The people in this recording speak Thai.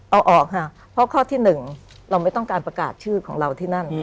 เอาออกค่ะเพราะข้อที่๑เราไม่ต้องการประกาศชื่อของเราที่นั่น